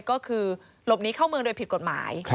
ก็คือหลบหนีเข้าเมืองโดยผิดกฎหมาย